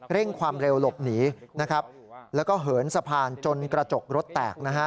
เร่งความเร็วหลบหนีแล้วก็เหินสะพานจนกระจกรถแตก